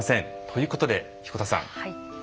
ということで彦田さん。